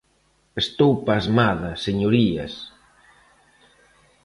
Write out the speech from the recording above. ¡Estou pasmada, señorías!